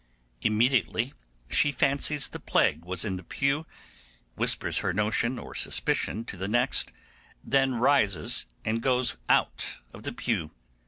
Immediately she fancies the plague was in the pew, whispers her notion or suspicion to the next, then rises and goes out of the pew.